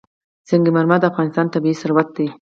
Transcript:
سنگ مرمر د افغانستان طبعي ثروت دی.